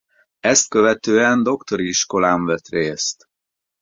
Ezt követően doktori iskolán vett részt.